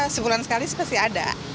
sebulan sekali pasti ada